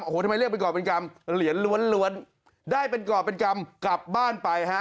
โอ้โหทำไมเรียกเป็นกรอบเป็นกรรมเหรียญล้วนได้เป็นกรอบเป็นกรรมกลับบ้านไปฮะ